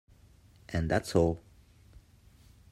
And that's all.